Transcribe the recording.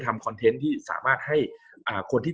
กับการสตรีมเมอร์หรือการทำอะไรอย่างเงี้ย